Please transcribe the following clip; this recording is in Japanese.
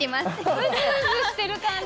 うずうずしてる感じ。